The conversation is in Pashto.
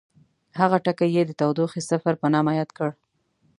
هغه ټکی یې د تودوخې صفر په نامه یاد کړ.